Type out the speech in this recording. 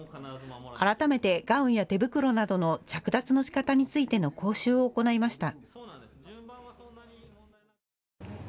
改めてガウンや手袋などの着脱のしかたについての講習を行いました。